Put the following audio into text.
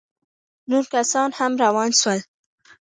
نور کسان هم روان سول.